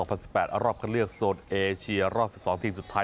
รอบคันเลือกโซนเอเชียรอบ๑๒ทีมสุดท้าย